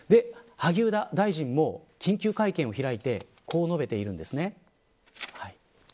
萩生田大臣も緊急会見を開いてこう述べています。